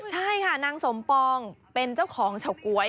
ใช่ค่ะนางสมปองเป็นเจ้าของเฉาก๊วย